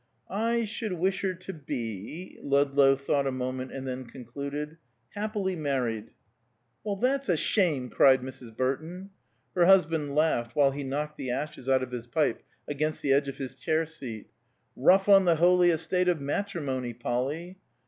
"I should wish her to be" Ludlow thought a moment and then concluded "happily married." "Well, that's a shame!" cried Mrs. Burton. Her husband laughed, while he knocked the ashes out of his pipe against the edge of his chair seat. "Rough on the holy estate of matrimony, Polly."